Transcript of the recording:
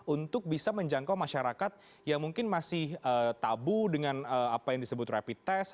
untuk bisa menjangkau masyarakat yang mungkin masih tabu dengan apa yang disebut rapid test